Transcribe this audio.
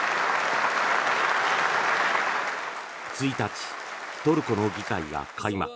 １日、トルコの議会が開幕。